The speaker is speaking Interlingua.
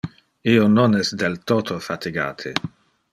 Io non es del toto fatigate.